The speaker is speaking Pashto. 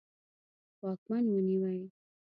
واکمن ونیوی.